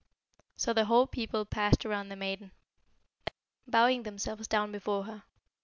So the whole people passed around the maiden, bowing themselves down before her.